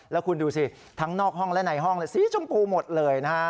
แล้วคุณดูสิทั้งนอกห้องและในห้องสีชมพูหมดเลยนะฮะ